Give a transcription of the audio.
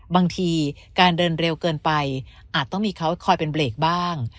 บางทีการเดินเร็วเกินไปอาจต้องมีเขาคอยเป็นเบรกบ้าง